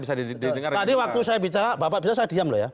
tadi waktu saya bicara bapak bisa saya diam loh ya